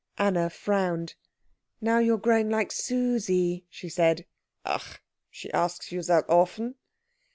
Anna frowned. "Now you are growing like Susie," she said. "Ach she asks you that often?"